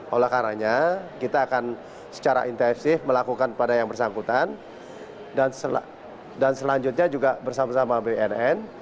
oleh karanya kita akan secara intensif melakukan pada yang bersangkutan dan selanjutnya juga bersama sama bnn